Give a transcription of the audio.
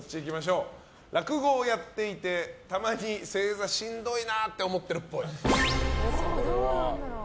落語をやっていてたまに正座しんどいなって思ってるっぽい。